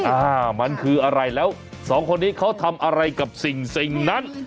อ่ามันคืออะไรแล้วสองคนนี้เขาทำอะไรกับสิ่งนั้น